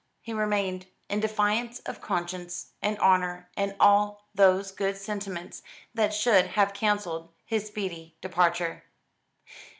He remained; in defiance of conscience, and honour, and all those good sentiments that should have counselled his speedy departure.